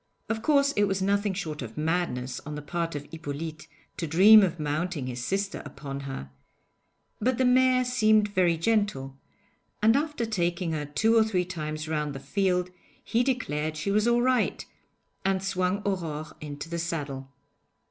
Of course it was nothing short of madness on the part of Hippolyte to dream of mounting his sister upon her, but the mare seemed very gentle, and after taking her two or three times round the field he declared she was all right, and swung Aurore into the saddle.